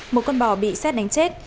một con bò bị xét đánh chết